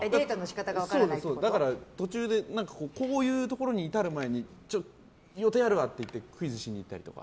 だから、途中でこういうところに至る前に予定あるわって言ってクイズしに行ったりとか。